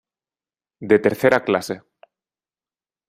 De Tercera clase.